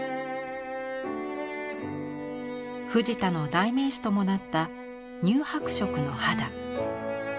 藤田の代名詞ともなった乳白色の肌。